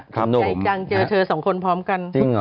ใจจังเจอเธอสองคนพร้อมกัน